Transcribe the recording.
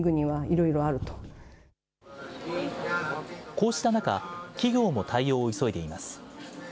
こうした中、企業も対応を急いでいます。